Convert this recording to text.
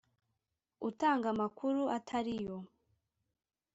utanga amakuru atari yo